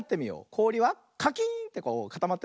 こおりはカキーンってこうかたまってるね。